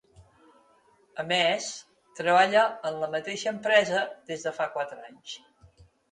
A més coma treballa en la mateixa empresa des de fa quatre anys.